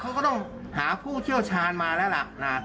เขาก็ต้องหาผู้เชี่ยวชาญมาแล้วล่ะ